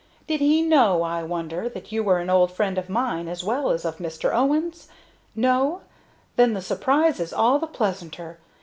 Did he know, I wonder, that you were an old friend of mine, as well as of Mr. Owen's? No! Then the surprise is all the pleasanter.